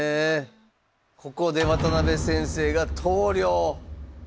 ここで渡辺先生が投了。